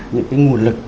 những cái nguồn lực